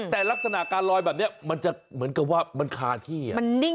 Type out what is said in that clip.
แต่ลักษณะการลอยแบบนี้มันจะเหมือนกับว่ามันคาที่